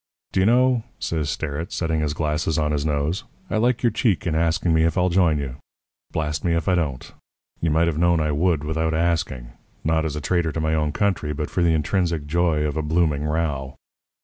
"'Do you know,' says Sterrett, setting his glasses on his nose, 'I like your cheek in asking me if I'll join you; blast me if I don't. You might have known I would, without asking. Not as a traitor to my own country, but for the intrinsic joy of a blooming row.'